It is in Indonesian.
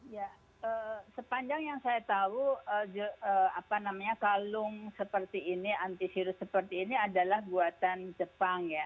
ya sepanjang yang saya tahu kalung seperti ini antivirus seperti ini adalah buatan jepang ya